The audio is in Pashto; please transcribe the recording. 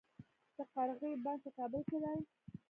د قرغې بند په کابل کې دی